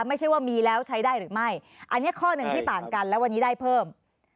ไม่ใช่ว่ามีแล้วใช้ได้หรือไม่อันนี้ข้อหนึ่งที่ต่างกันแล้ววันนี้ได้เพิ่ม